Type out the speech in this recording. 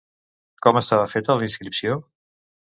Com estava feta la inscripció?